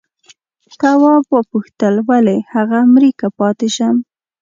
تواب وپوښتل ولې هغه مري که پاتې شم؟